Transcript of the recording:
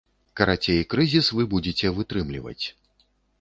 Карацей, крызіс вы будзеце вытрымліваць.